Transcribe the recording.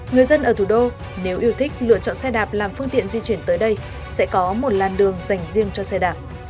người dân ở thủ đô nếu yêu thích lựa chọn xe đạp làm phương tiện di chuyển tới đây sẽ có một làn đường dành riêng cho xe đạp